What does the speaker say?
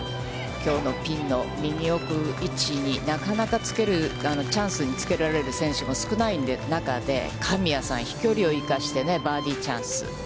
きょうのピンの右奥の位置になかなかつけるチャンスに、つけられる選手も少ない中で、神谷さん飛距離を生かしてバーディーチャンス。